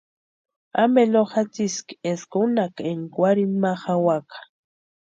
¿Ampe no jatsiski eska únhaka énka warhiri ma jawaka?